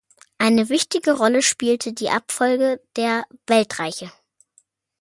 Eine wichtige Rolle spielte die Abfolge der Weltreiche.